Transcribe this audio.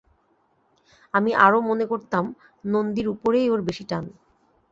আমি আরো মনে করতাম, নন্দীর উপরেই ওর বেশি টান।